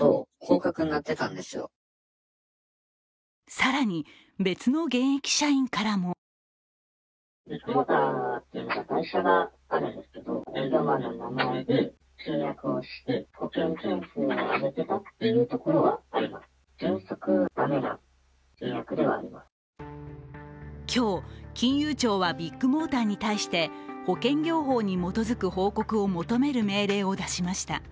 更に別の現役社員からも今日、金融庁はビッグモーターに対して保険業法に基づく報告を求める命令を出しました。